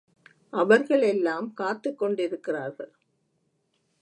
அவர்களெல்லாம் காத்துக் கொண்டிருக்கிறார்கள்.